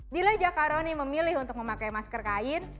bila jakaroni memilih untuk memakai masker kain